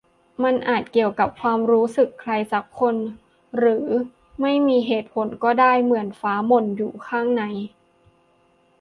มันอาจเกี่ยวกับความรู้สึก ใครสักคน หรือเรื่องไม่มีเหตุผลก็ได้ เหมือนฟ้าหม่นอยู่ข้างใน